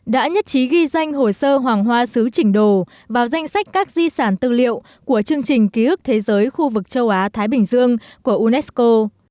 đã nhất trí ghi danh hồ sơ hoàng hoa xứ chỉnh đồ vào danh sách các di sản tư liệu của chương trình ký ức thế giới khu vực châu á thái bình dương của unesco